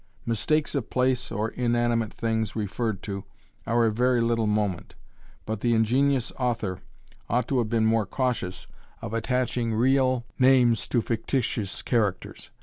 Mistakes of place or inanimate things referred to, are of very little moment; but the ingenious author ought to have been more cautious of attaching real names to fictitious characters.